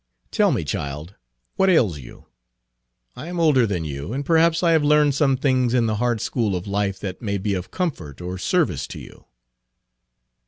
Tell me, child, what ails you? I am older than you, and perhaps I have learned some things in the hard school of life that may be of comfort or service to you."